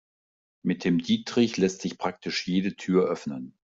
Mit dem Dietrich lässt sich praktisch jede Tür öffnen.